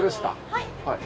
はい。